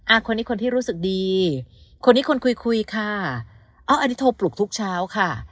คนนี้คนที่รู้สึกดีคนนี้คนคุยคุยค่ะอ๋ออันนี้โทรปลุกทุกเช้าค่ะ